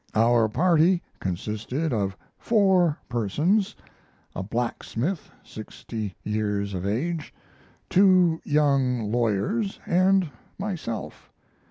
Our party consisted of four persons a blacksmith sixty years of age, two young lawyers, and myself.